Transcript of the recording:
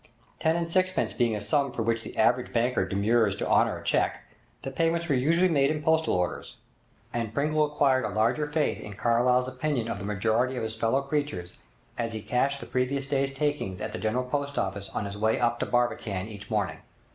Ten and sixpence being a sum for which the average banker demurs to honour a cheque, the payments were usually made in postal orders; and Pringle acquired a larger faith in Carlyle's opinion of the majority of his fellow creatures as he cashed the previous day's takings at the General Post Office on his way up to Barbican each morning.